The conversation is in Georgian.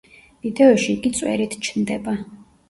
ვიდეოში იგი წვერით ჩნდება.